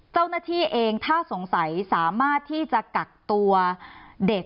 เจ้าหน้าที่เองถ้าสงสัยสามารถที่จะกักตัวเด็ก